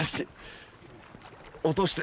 落として。